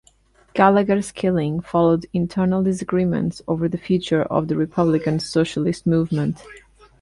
Gallagher's killing followed internal disagreements over the future of the republican socialist movement.